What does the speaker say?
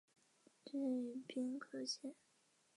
出身于兵库县。